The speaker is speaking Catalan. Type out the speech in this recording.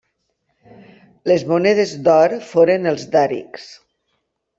Les monedes d'or foren els dàrics.